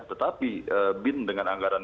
tetapi bin dengan anggaran